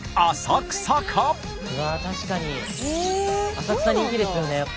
浅草人気ですよね。